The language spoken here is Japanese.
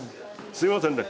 すいませんね